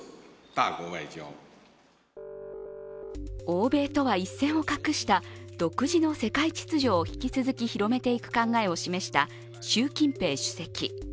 欧米とは一線を画した独自の世界秩序を引き続き広めていく考えを示した習近平主席。